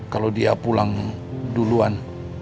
kalau dia pulang duluan